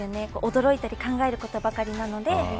驚いたり考えることばかりなので。